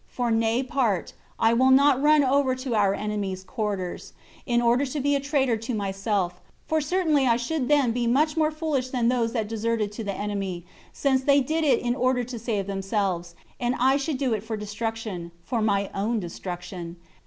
For my part, I will not run over to our enemies' quarters, in order to be a traitor to myself; for certainly I should then be much more foolish than those that deserted to the enemy, since they did it in order to save themselves, and I should do it for destruction, for my own destruction.